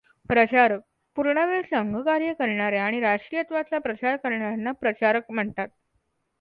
प्रचारक पूर्णवेळ संघकार्य करणाऱ्या आणि राष्ट्रीयत्वाचा प्रचार करणार्यांना प्रचारक म्हणतात.